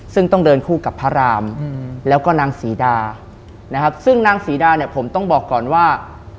ซึ่งต้องเดินคู่กับพระรามแล้วก็นางศรีดานะครับซึ่งนางศรีดาเนี่ยผมต้องบอกก่อนว่า